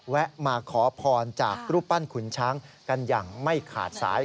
มาขอพรจากรูปปั้นขุนช้างกันอย่างไม่ขาดสาย